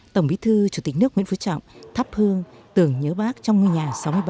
tổng bí thư chủ tịch nước nguyễn phú trọng thắp hương tưởng nhớ bác trong ngôi nhà sáu mươi bảy